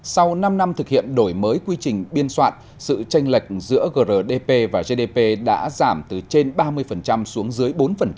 sau năm năm thực hiện đổi mới quy trình biên soạn sự tranh lệch giữa grdp và gdp đã giảm từ trên ba mươi xuống dưới bốn